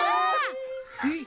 えっ？